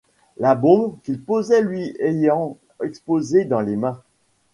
La bombe qu’il posait lui ayant explosé dans les mains.